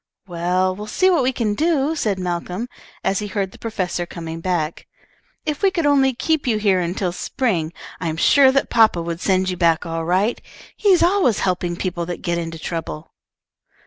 "Well, we'll see what we can do," said Malcolm, as he heard the professor coming back. "If we could only keep you here until spring, I am sure that papa would send you back all right. He's always helping people that get into trouble."